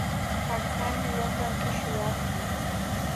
پاکستان میں lockdown کی شروعات تھیں